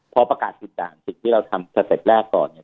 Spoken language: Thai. พอประกาศปิดด่านสิ่งที่เราทำประเทศแรกก่อน